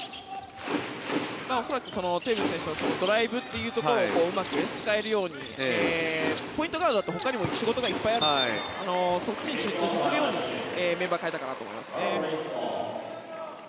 恐らくテーブス選手のドライブというところをうまく使えるようにポイントガードだとほかにも仕事がいっぱいあるのでそっちに集中させるようにメンバーを代えたかなと思いますね。